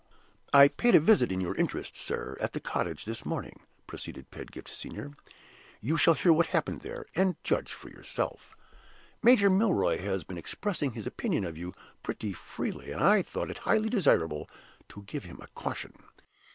"I paid a visit, in your interests, sir, at the cottage this morning," proceeded Pedgift Senior. "You shall hear what happened there, and judge for yourself. Major Milroy has been expressing his opinion of you pretty freely; and I thought it highly desirable to give him a caution.